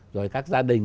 rồi các gia đình